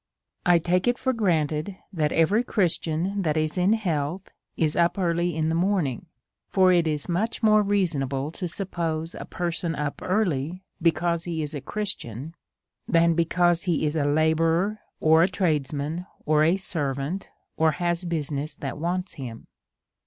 I take it for granted that every Christian who is in health is up early in the morning ; for it is much more reasonable to suppose a person up early because he is a Christian, than because he is a labourer, or a tradesman, or a servant^ or has business that wants him.